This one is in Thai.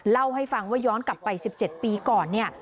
เล่าให้ฟังว่าย้อนกลับไป๑๗ปีก่อนเนี่ย